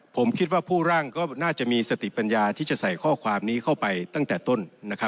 ผมคิดว่าผู้ร่างก็น่าจะมีสติปัญญาที่จะใส่ข้อความนี้เข้าไปตั้งแต่ต้น